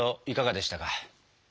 いかがでしたか？